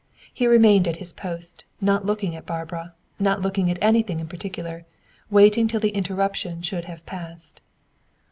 He remained at his post, not looking at Barbara, not looking at anything in particular, waiting till the interruption should have passed.